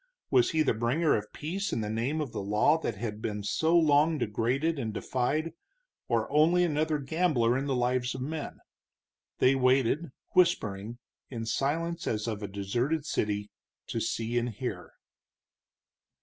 Was he the bringer of peace in the name of the law that had been so long degraded and defied, or only another gambler in the lives of men? They waited, whispering, in silence as of a deserted city, to see and hear.